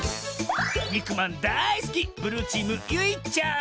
にくまんだいすきブルーチームゆいちゃん。